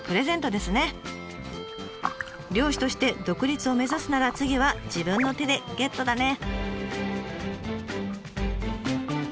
漁師として独立を目指すなら次は自分の手でゲットだね。